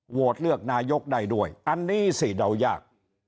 โหวตเลือกนายกได้ด้วยอันนี้สิเดายาก